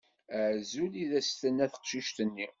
Azul, i d as-d-tenna teqcict-nni.